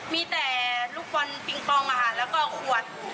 มีแต่ลูกบอลปิงปองแล้วก็ขวด